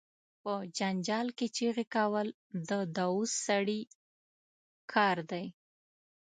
په جنجال کې چغې کول، د دووث سړی کار دي.